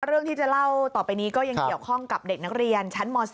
เรื่องที่จะเล่าต่อไปนี้ก็ยังเกี่ยวข้องกับเด็กนักเรียนชั้นม๔